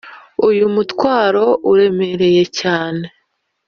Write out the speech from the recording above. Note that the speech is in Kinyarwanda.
uyumutwaro uremereye cyane,